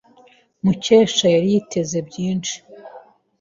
Mukesha yari yiteze byinshi.